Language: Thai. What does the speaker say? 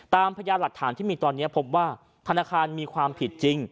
พยานหลักฐานที่มีตอนนี้พบว่าธนาคารมีความผิดจริง